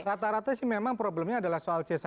rata rata sih memang problemnya adalah soal c satu